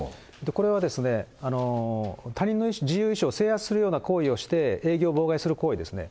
これは他人の自由意思を制圧するような行為をして、営業を妨害する行為ですね。